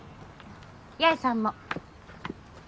八重さんも。